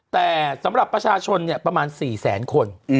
แต่สำหรับประชาชนประมาณ๔แสนคน